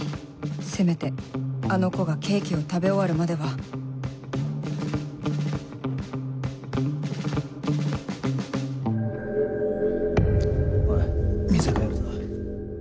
せめてあの子がケーキを食べ終わるまではおい店変えるぞ。